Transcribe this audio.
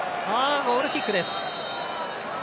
ゴールキックです。